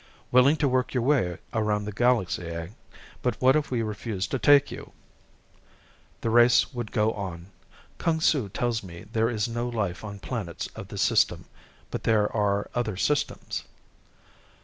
"Willing to work your way around the galaxy, eh? But what if we refused to take you?" "The race would go on. Kung Su tells me there is no life on planets of this system, but there are other systems."